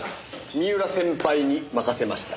三浦先輩に任せました。